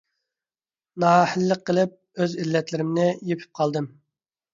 نائەھلىلىك قىلىپ، ئۆز ئىللەتلىرىمنى يېپىپ قالدىم.